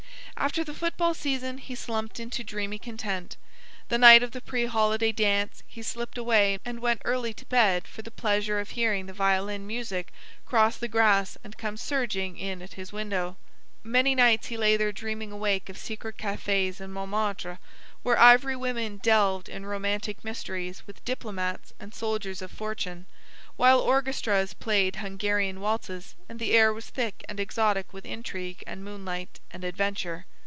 After the football season he slumped into dreamy content. The night of the pre holiday dance he slipped away and went early to bed for the pleasure of hearing the violin music cross the grass and come surging in at his window. Many nights he lay there dreaming awake of secret cafes in Mont Martre, where ivory women delved in romantic mysteries with diplomats and soldiers of fortune, while orchestras played Hungarian waltzes and the air was thick and exotic with intrigue and moonlight and adventure.